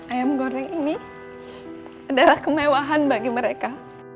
ayam goreng ini adalah kemewahan bagi mereka